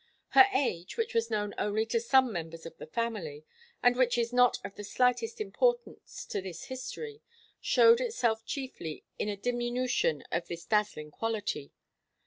Her age, which was known only to some members of the family, and which is not of the slightest importance to this history, showed itself chiefly in a diminution of this dazzling quality.